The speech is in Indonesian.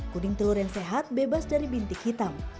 kuning telur yang sehat bebas dari bintik hitam